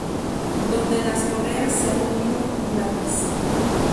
Donde en las correas se ha unido un lápiz.